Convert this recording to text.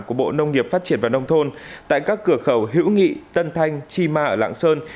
của bộ nông nghiệp phát triển và nông thôn tại các cửa khẩu hữu nghị tân thanh chi ma ở lạng sơn